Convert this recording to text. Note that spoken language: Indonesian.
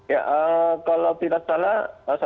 ya kalau tidak salah